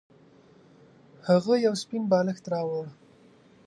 هغه یو سپین بالښت راوړ.